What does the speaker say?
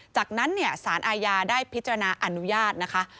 จากนั้นสารอาญาได้พิจารณาอนุญาตนะคะ